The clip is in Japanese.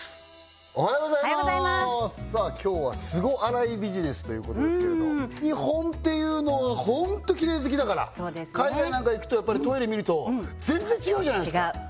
おはようございますさあ今日はスゴ洗いビジネスということですけれど日本っていうのはホントキレイ好きだから海外なんか行くとやっぱりトイレ見ると全然違うじゃないですか違う！